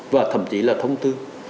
và thậm chí là thông tư